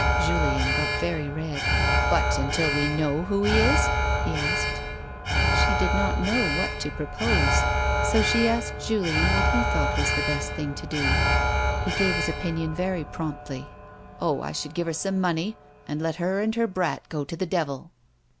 Julien got very red. " But until we know who he is ?" he asked. 100 A WOMAN'S LIFE. She did not know what to propose, so she asked J alien what he thought was the best thing to do. He gave his opinion very promptly. " Oh, I should give her some money, and let her and her brat go to the devil."